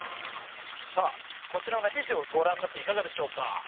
さあこちらの記事をごらんになっていかがでしょうか？